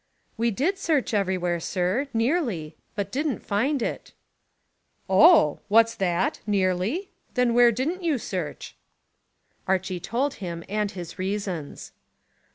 "We did search everywhere, sir, nearly, but didn't find it." "Oh! What's that? Nearly? Then where didn't you search?" Archy told him and his reasons.